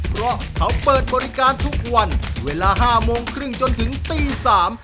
เพราะเขาเปิดบริการทุกวันเวลาห้าโมงครึ่งจนถึงตีสาม